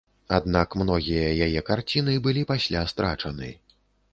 Аднак многія яе карціны былі пасля страчаны.